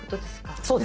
そうです。